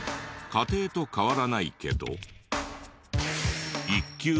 家庭と変わらないけど。